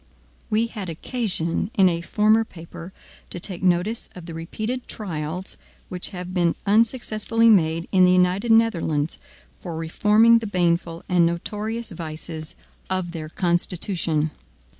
We had occasion, in a former paper, to take notice of the repeated trials which have been unsuccessfully made in the United Netherlands for reforming the baneful and notorious vices of their constitution.